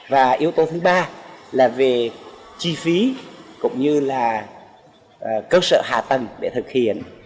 và yếu tố thứ ba là về chi phí cũng như là cơ sở hạ tầng để thực hiện